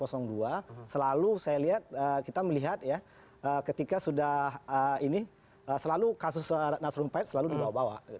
selalu saya lihat kita melihat ya ketika sudah ini selalu kasus ratna sarumpait selalu dibawa bawa